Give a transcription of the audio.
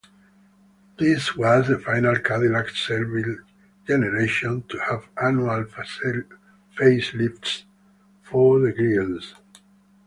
This was the final Cadillac Seville generation to have annual facelifts for the grilles.